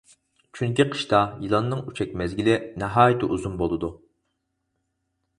چۈنكى، قىشتا يىلاننىڭ ئۈچەك مەزگىلى ناھايىتى ئۇزۇن بولىدۇ.